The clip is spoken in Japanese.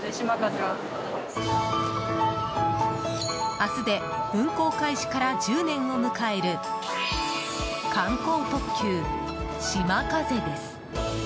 明日で運行開始から１０年を迎える観光特急「しまかぜ」です。